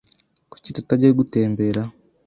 Kuki tutajya gutembera?